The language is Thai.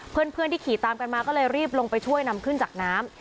เพื่อนที่ขี่ตามกันมาก็เลยรีบลงไปช่วยนำขึ้นจากน้ำ